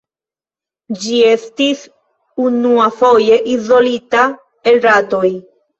Ĝi estis unuafoje izolita el ratoj.